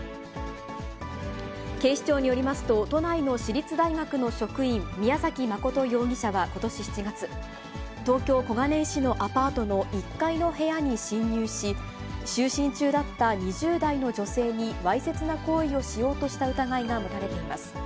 警視庁によりますと、都内の私立大学の職員、宮崎真容疑者はことし７月、東京・小金井市のアパートの１階の部屋に侵入し、就寝中だった２０代の女性にわいせつな行為をしようとした疑いが持たれています。